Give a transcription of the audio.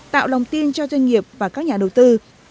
tạo lòng tin cho doanh nghiệp và các nhà đầu tư